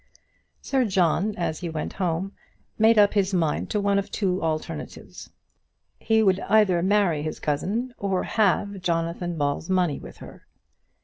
Sir John, as he went home, made up his mind to one of two alternatives. He would either marry his cousin or halve Jonathan Ball's money with her.